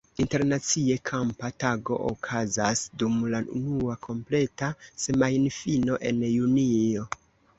Internacie kampa tago okazas dum la unua kompleta semajnfino en junio.